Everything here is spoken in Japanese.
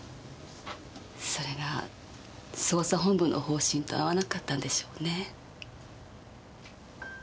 それが捜査本部の方針と合わなかったんでしょうね。